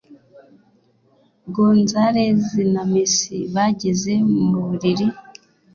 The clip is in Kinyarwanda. Gonzalez na Messi bageze mu buriri